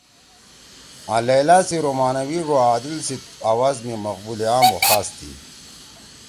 آں لیلٰی سی رومانوی ڙو عادل سی آواز می مقبول عام او خاص تھی۔